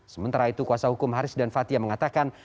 sementara itu kuasa hukum haris dan fathia mengatakan